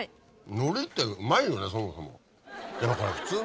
海苔ってうまいよねそもそも。